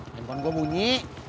telepon gua bunyi